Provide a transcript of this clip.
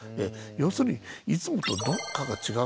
要するにいつもとどっかが違うなぁと。